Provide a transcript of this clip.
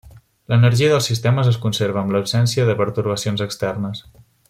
L'energia del sistema es conserva en absència de pertorbacions externes.